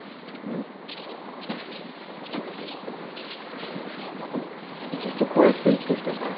ずっとこうやって生きてきたから。